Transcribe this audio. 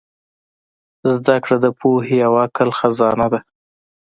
زدهکړه د پوهې او عقل خزانه ده.